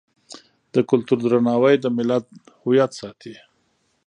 د کلتور درناوی د ملت هویت ساتي.